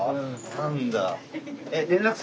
何だ。